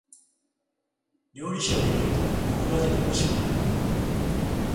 料理酒を入れるとコクが出ておいしくなる。